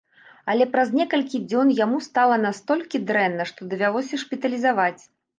Але праз некалькі дзён яму стала настолькі дрэнна, што давялося шпіталізаваць.